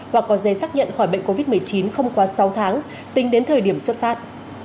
hoặc có giấy xác nhận khỏi bệnh covid một mươi chín không quá sáu tháng tính đến thời điểm xuất phát